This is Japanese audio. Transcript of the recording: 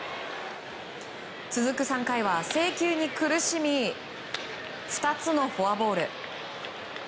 続く３回は制球に苦しみ２つのフォアボール。